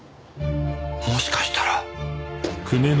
もしかしたら